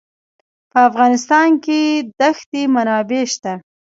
په افغانستان کې د ښتې منابع شته.